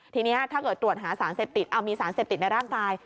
ทีนี้ถ้าเกิดตรวจหาสารเสพติดมีสารเสพติดในร่างกาย